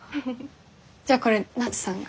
じゃあこれ菜津さんが？